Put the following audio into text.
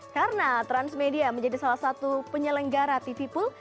karena transmedia menjadi salah satu penyelenggara tvpool